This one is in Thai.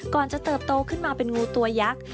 จะเติบโตขึ้นมาเป็นงูตัวยักษ์